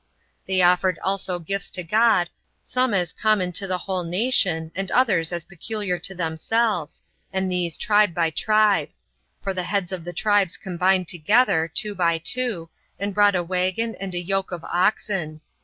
They offered also gifts to God some as common to the whole nation, and others as peculiar to themselves, and these tribe by tribe; for the heads of the tribes combined together, two by two, and brought a waggon and a yoke of oxen.